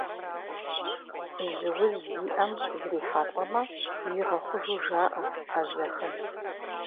Жьы уз зиӏэм зрихьэлӏэмэ, игъэхъужу жаӏэ ӏэзэхэм.